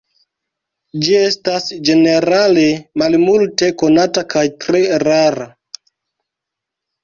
Ĝi estas ĝenerale malmulte konata kaj tre rara.